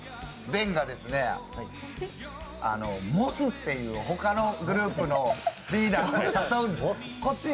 ベンがモスっていうほかのグループのリーダを誘うんです。